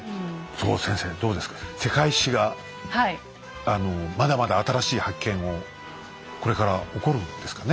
そこ先生どうですか世界史がまだまだ新しい発見をこれから起こるんですかね。